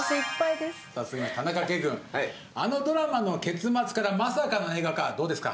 次に田中圭君あのドラマの結末からまさかの映画化どうですか？